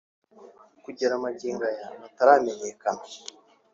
kugera magingo aya bataramenyekana